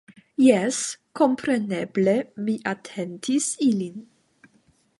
Jes, kompreneble mi atentis ilin.